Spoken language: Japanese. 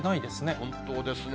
本当ですね。